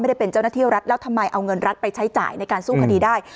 ได้เป็นเจ้าหน้าที่รัฐแล้วทำไมเอาเงินรัฐไปใช้จ่ายในการสู้คดีได้